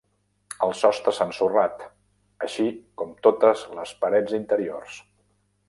El sostre s'ha ensorrat, així com totes les parets interiors.